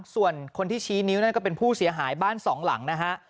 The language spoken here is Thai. ส่วนคนที่ชี้นิ้วนั่นก็เป็นผู้เสียหายบ้านสองหลังนะฮะ